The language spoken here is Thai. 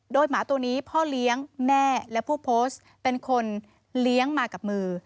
โดยหมาตัวนี้พ่อเลี้ยงแม่และผู้โพสต์เป็นคนเลี้ยงมากับมือ